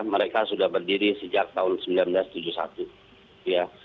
mereka sudah berdiri sejak tahun seribu sembilan ratus tujuh puluh satu